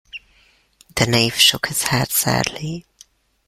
The Knave shook his head sadly.